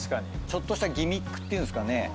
ちょっとしたギミックっていうんすかね？